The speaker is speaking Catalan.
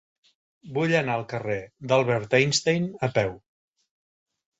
Vull anar al carrer d'Albert Einstein a peu.